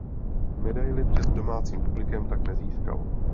Medaili před domácím publikem tak nezískal.